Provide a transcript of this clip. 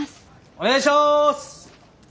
お願いします！